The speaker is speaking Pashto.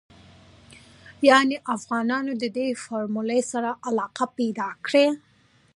يانې افغانانو ددې فارمولې سره علاقه پيدا کړې.